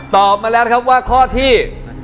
ตอบมาแล้วนะครับว่าข้อที่